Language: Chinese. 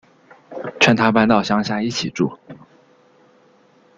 劝他搬到乡下一起住